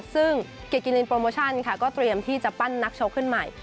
ซึ่งเกกิลินโปรโมชั่นค่ะก็เตรียมที่จะปั้นนักชกขึ้นใหม่